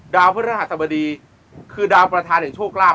ดาวพฤหสบดีคือดาวประธานแห่งโชคราบ